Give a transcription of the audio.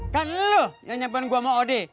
kan lo yang nyempen gue sama odi